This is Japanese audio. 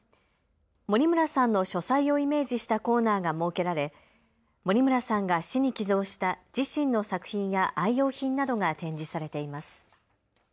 森村さんの書斎をイメージしたコーナーが設けられ森村さんが市に寄贈した自身の作品や愛用品などが展示されています。